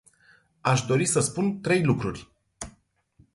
Aș dori să spun trei lucruri.